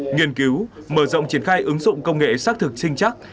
nghiên cứu mở rộng triển khai ứng dụng công nghệ xác thực sinh chắc